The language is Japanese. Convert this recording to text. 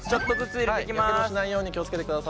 やけどしないように気を付けてください。